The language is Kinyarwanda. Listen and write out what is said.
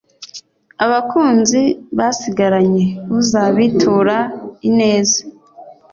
abakunzi basigaranye uzabitura ineza.